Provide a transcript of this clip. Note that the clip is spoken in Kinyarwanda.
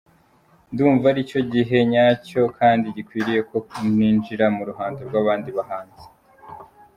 Ndumva ari cyo gihe nyacyo kandi gikwiriye ko nijira mu ruhando rw’abandi bahanzi.